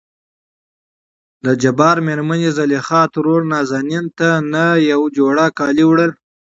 دجبار مېرمنې زليخا ترور نازنين ته نه يو جوړ کالي وړل.